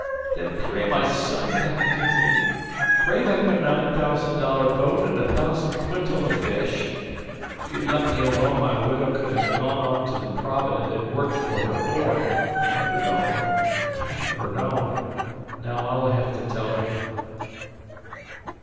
"Then pray my son back to me! Pray back a nine thousand dollar boat an' a thousand quintal of fish. If you'd left me alone my widow could ha' gone on to the Provident an' worked fer her board, an' never known an' never known. Now I'll hev to tell her."